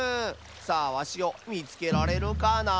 さあわしをみつけられるかな？